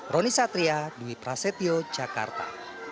roni satria dwi prasetyo jakarta